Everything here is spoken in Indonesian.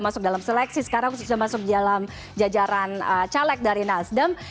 sekarang sudah masuk dalam jajaran caleg dari nasdem